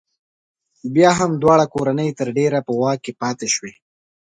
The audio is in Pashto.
بیا هم دواړه کورنۍ تر ډېره په واک کې پاتې شوې.